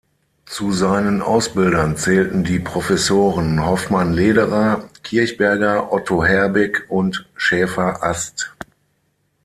Zu seinen Ausbildern zählten die Professoren Hoffmann-Lederer, Kirchberger, Otto Herbig und Schäfer-Ast.